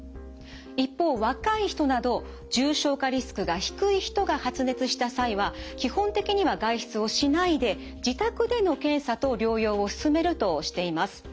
一方若い人など重症化リスクが低い人が発熱した際は基本的には外出をしないで自宅での検査と療養を勧めるとしています。